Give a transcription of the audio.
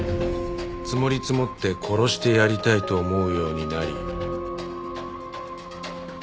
積もり積もって殺してやりたいと思うようになり。